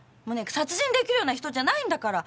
殺人できるような人じゃないんだから！